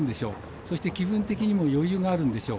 そして、気分的にも余裕があるんでしょう。